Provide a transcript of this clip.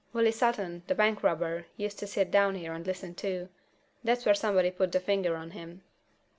Willie Sutton, the bank robber, used to sit down here and listen, too. That's where somebody put the finger on him."